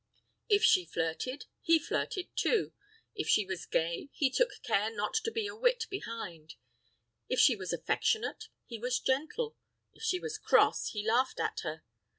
If she flirted, he flirted too; if she was gay, he took care not to be a whit behind; if she was affectionate, he was gentle; and if she was cross, he laughed at her.